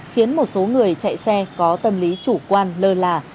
khiến một số người chạy xe có tâm lý chủ quan lơ là